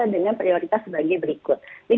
dengan prioritas sebagai berikut